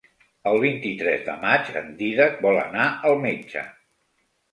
El vint-i-tres de maig en Dídac vol anar al metge.